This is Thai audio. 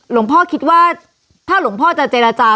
หลวงพ่อคิดว่าถ้าหลวงพ่อจะเจรจา